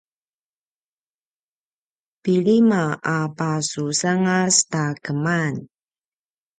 pilima a pasusangas ta keman